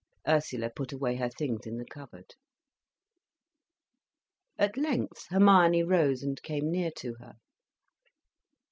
Ursula put away her things in the cupboard. At length Hermione rose and came near to her.